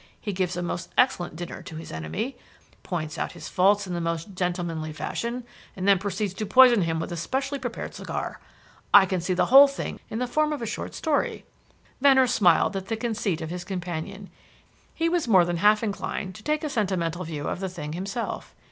He gives a most excellent dinner to his enemy, points out to him his faults in the most gentlemanly fashion, and then proceeds to poison him with a specially prepared cigar. I can see the whole thing in the form of a short story." Venner smiled at the conceit of his companion. He was more than half inclined to take a sentimental view of the thing himself.